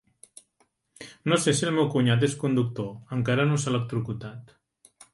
No sé si el meu cunyat és conductor, encara no s'ha electrocutat.